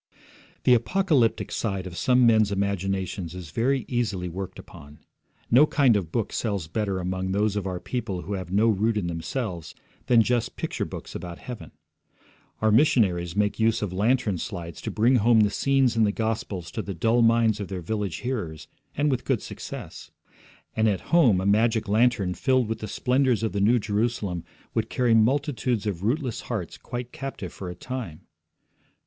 The apocalyptic side of some men's imaginations is very easily worked upon. No kind of book sells better among those of our people who have no root in themselves than just picture books about heaven. Our missionaries make use of lantern slides to bring home the scenes in the Gospels to the dull minds of their village hearers, and with good success. And at home a magic lantern filled with the splendours of the New Jerusalem would carry multitudes of rootless hearts quite captive for a time.